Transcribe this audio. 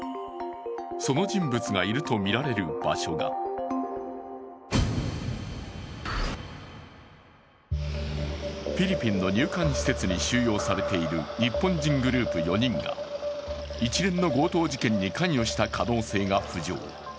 その人物がいるとみられる場所がフィリピンの入管施設に収容されている日本人グループ４人が一連の強盗事件に関与した可能性が浮上。